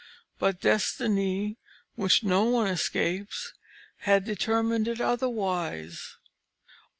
But destiny which no one escapes, had determined it otherwise.